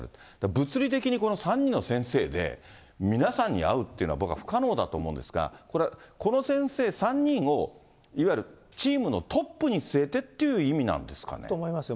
物理的にこの３人の先生で皆さんに会うっていうのは、僕は不可能だと思うんですが、これはこの先生３人をいわゆるチームのトップに据えてっていう意と思いますよ。